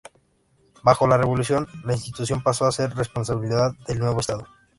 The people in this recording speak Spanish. Bajo la Revolución, la institución pasó a ser responsabilidad del nuevo Estado.